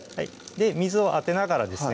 水を当てながらですね